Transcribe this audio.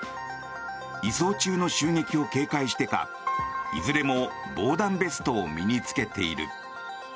移送中の襲撃を警戒してかいずれも防弾ベストを身に着けている。